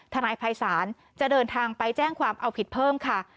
นายภัยศาลจะเดินทางไปแจ้งความเอาผิดเพิ่มค่ะ